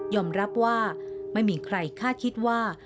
รับว่าไม่มีใครคาดคิดว่า